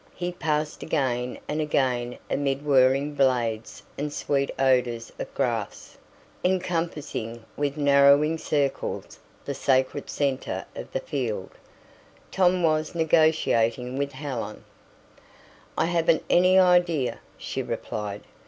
He passed again and again amid whirring blades and sweet odours of grass, encompassing with narrowing circles the sacred centre of the field. Tom was negotiating with Helen. "I haven't any idea," she replied.